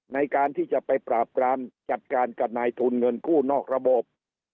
ในการที่จะไปปราบปรามจัดการกับนายทุนเงินกู้นอกระบบ